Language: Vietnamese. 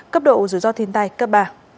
cấp độ dù do thiên tai cấp ba